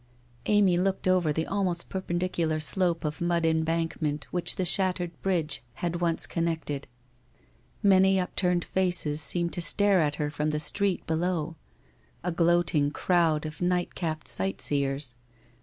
Amy looked over the almost perpendicular slope of mud embankment which the shattered bridge had once connected. Many upturned faces seemed to stare at her from the street below — a gloating crowd of night capped sightseers.